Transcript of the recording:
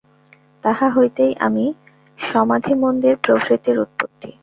তাহা হইতেই মমি, সমাধিমন্দির প্রভৃতির উৎপত্তি।